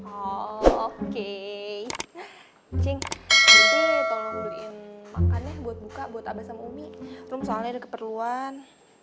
oke cing jadi tolong beliin makannya buat buka buat abad sama umi rum soalnya ada keperluan